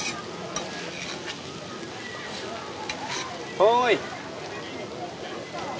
おい！